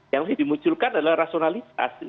yang dimunculkan adalah rasionalitas